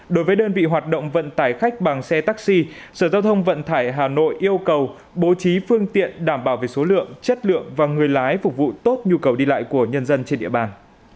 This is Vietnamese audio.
đối với đơn vị hoạt động vận tải khách bằng xe taxi sở giao thông vận tải hà nội yêu cầu bố trí phương tiện đảm bảo về số lượng chất lượng và người lái phục vụ tốt nhu cầu đi lại của nhân dân trên địa bàn